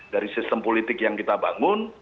dari sistem politik yang kita bangun